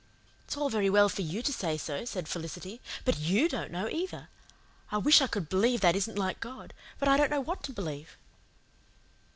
"It's all very well for you to say so," said Felicity, "but YOU don't know either. I wish I could believe that isn't like God but I don't know what to believe."